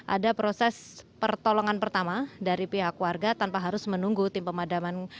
ada proses pertolongan pertama dari pihak warga tanpa harus menunggu tim pemadaman